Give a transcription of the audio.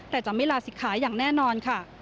แต่จะไม่ลาศิกขาอย่างแน่นอนค่ะ